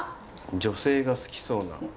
女性が好きそうな。